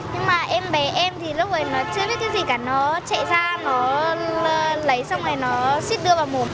nhưng mà em bé em thì lúc ấy nó chơi biết chứ gì cả nó chạy ra nó lấy xong rồi nó xích đưa vào mồm